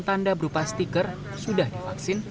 tanda berupa stiker sudah divaksin